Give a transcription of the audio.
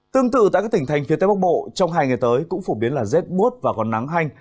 tương tự tại các tỉnh thành phía tây bắc bộ trong hai ngày tới cũng phổ biến là rét bút và còn nắng hanh